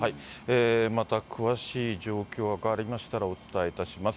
また詳しい状況が分かりましたらお伝えいたします。